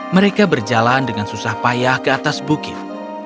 mereka berjalan dengan susah payah ke atas bukit